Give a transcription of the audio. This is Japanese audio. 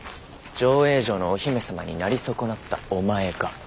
条映城のお姫様になり損なったお前が。